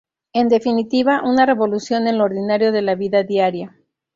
En definitiva, una revolución en lo ordinario de la vida diaria.